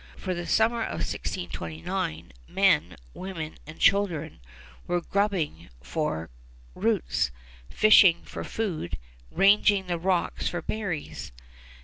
By the summer of 1629 men, women, and children were grubbing for roots, fishing for food, ranging the rocks for berries.